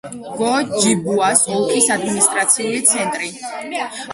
გო-ჯიბუას ოლქის ადმინისტრაციული ცენტრი.